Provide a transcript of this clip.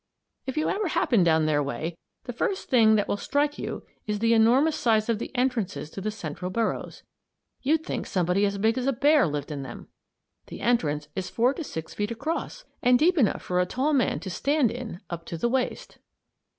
If you ever happen down their way, the first thing that will strike you is the enormous size of the entrances to the central burrows. You'd think somebody as big as a bear lived in them. The entrance is four to six feet across and deep enough for a tall man to stand in up to the waist.